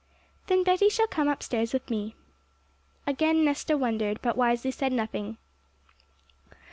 'Then Betty shall come upstairs with me.' Again Nesta wondered, but wisely said nothing.